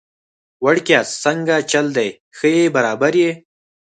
وړکیه څنګه چل دی، ښه يي برابر يي؟